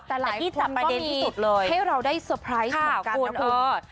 แต่หลายคนก็มีให้เราได้เซอร์ไพรส์เหมือนกันนะครับคุณ